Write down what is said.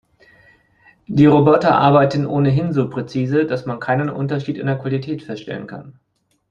Die Roboter arbeiten ohnehin so präzise, dass man keinen Unterschied in der Qualität feststellen kann.